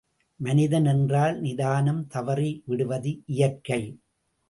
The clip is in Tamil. மனிதன் என்றால், நிதானம் தவறி விடுவது இயற்கை.